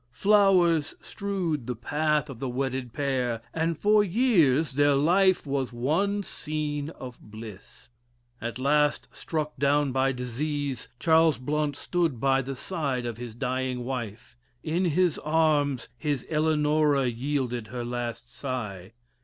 Flowers strewed the path of the wedded pair, and for years their life was one scene of bliss. At last, struck down by disease, Charles Blount stood by the side of his dying wife in his arms his Eleanora yielded her last sigh.